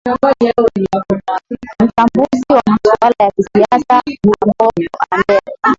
mchambuzi wa masuala ya kisiasa amboka andere